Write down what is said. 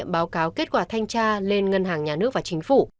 báo cáo kết quả thanh tra lên ngân hàng nhà nước và chính phủ